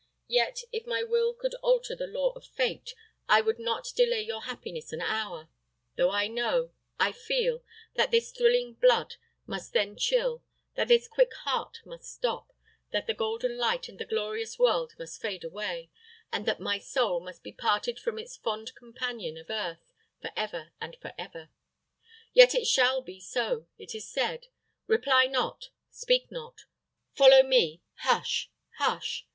Yet, if my will could alter the law of fate, I would not delay your happiness an hour; though I know, I feel, that this thrilling blood must then chill, that this quick heart must stop, that the golden light and the glorious world must fade away; and that my soul must be parted from its fond companion of earth for ever and for ever. Yet it shall be so. It is said. Reply not! Speak not! Follow me! Hush! hush!"